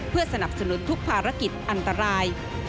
เพื่อสนับสนุนทุกภารกิจอันตราย